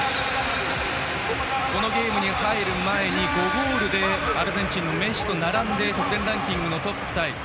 このゲームに入る前に５ゴールでアルゼンチンのメッシと並んで得点ランキングトップタイ。